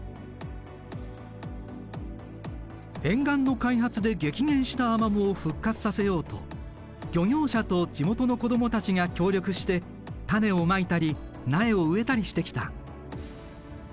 沿岸の開発で激減したアマモを復活させようと漁業者と地元の子供たちが協力して種をまいたり苗を植えたりしてきた。